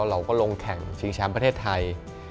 เราก็ลงแข่งชิงแชมป์ประเทศไทย